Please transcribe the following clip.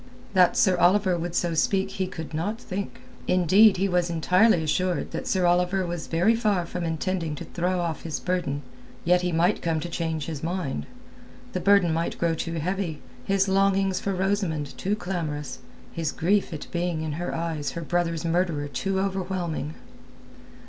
That Sir Oliver would so speak he could not think. Indeed, he was entirely assured that Sir Oliver was very far from intending to throw off his burden. Yet he might come to change his mind. The burden might grow too heavy, his longings for Rosamund too clamorous, his grief at being in her eyes her brother's murderer too overwhelming.